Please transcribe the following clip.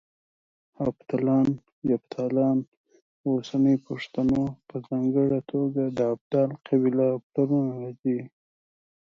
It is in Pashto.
هفتلان، يفتالان د اوسني پښتنو په ځانګړه توګه د ابدال قبيله پلرونه دي